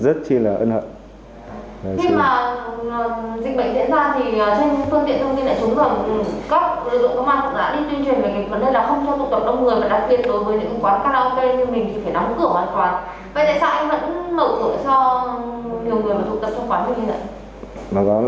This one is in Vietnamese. khi mà dịch bệnh diễn ra thì phương tiện thông tin lại trốn gần các dụng cơ ma cũng đã đi tuyên truyền về cái vấn đề là không cho tụ tập đông người và đặc biệt đối với những quán karaoke như mình thì phải đóng cửa hoàn toàn